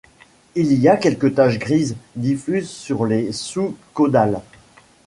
Il y a quelques taches grises diffuses sur les sous-caudales.